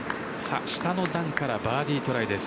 下の段からバーディートライです